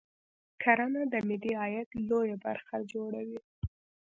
کرنه د ملي عاید لویه برخه جوړوي